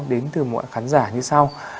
đến từ một khán giả như sau